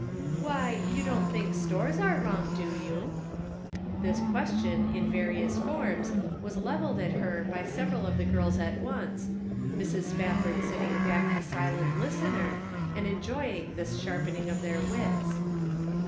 "Why, you don't think stores are wrong, do you ?" This question, in various forms, was leveled at her by several of the girls at once, Mrs. Spafford sitting back a silent listener, and en joying this sharpening of their wits.